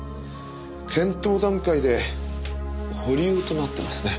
検討段階で保留となってますね。